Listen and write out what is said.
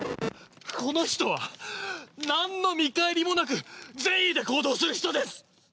この人は何の見返りもなく善意で行動する人です！